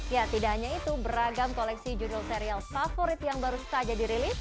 ya tidak hanya itu beragam koleksi judul serial favorit yang baru saja dirilis